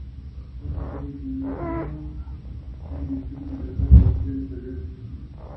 Pero no la tiene".